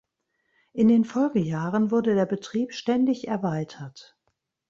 In den Folgejahren wurde der Betrieb ständig erweitert.